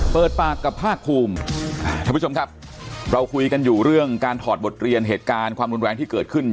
เปิดปากกับภาคภูมิท่านผู้ชมครับเราคุยกันอยู่เรื่องการถอดบทเรียนเหตุการณ์ความรุนแรงที่เกิดขึ้น